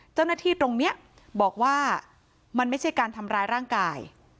เจ้าหน้าที่ตรงนี้บอกว่ามันไม่ใช่การทำร้ายร่างกาย